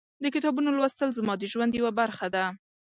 د کتابونو لوستل زما د ژوند یوه برخه ده.